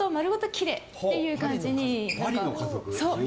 きれいっていう感じに。